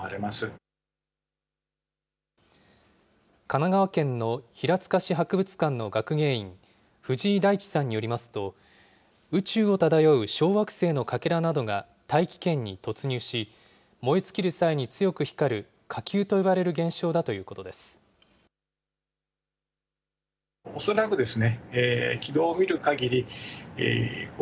神奈川県の平塚市博物館の学芸員、藤井大地さんによりますと、宇宙を漂う小惑星のかけらなどが大気圏に突入し、燃え尽きる際に強く光る火球と呼ばれる現象だということです。